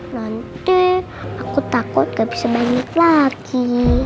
nanti aku takut gak bisa main lagi